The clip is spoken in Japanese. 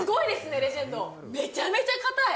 レジェンドめちゃめちゃ硬い！